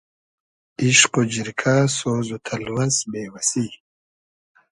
ایشق و جیرکۂ سۉز و تئلوئس بې وئسی